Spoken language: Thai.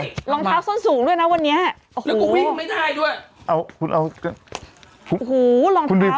รองเท้าซ่อนสูงด้วยนะเดี๋ยวผมวิ่ง่ายด้วย